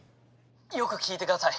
よく聞いてください。